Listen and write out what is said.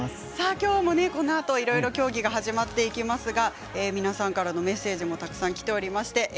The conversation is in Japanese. きょうも、このあといろいろ競技が始まっていきますが皆さんからのメッセージもたくさんきております。